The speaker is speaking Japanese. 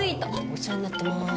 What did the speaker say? お世話になってます。